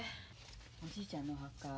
おじいちゃんのお墓